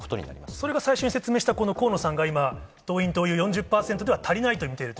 それが最初に説明した、河野さんが今、党員・党友票４０％では足りないと見ていると？